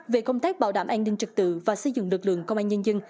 về công tác bảo đảm an ninh trực tự và xây dựng lực lượng công an nhân dân